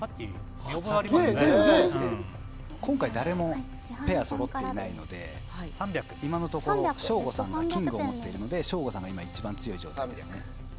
今回、誰もペアがそろっていないので今のところ、省吾さんがキングを持っているので省吾さんが今一番強い状態ですね。